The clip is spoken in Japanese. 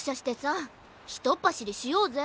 ひとっぱしりしようぜ。